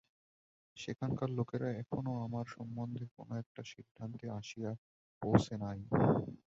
সেখানকার লোকেরা এখনো আমার সম্বন্ধে কোনো একটা সিদ্ধান্তে আসিয়া পৌঁছে নাই।